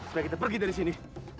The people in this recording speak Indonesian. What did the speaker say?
supaya kita pergi dari sini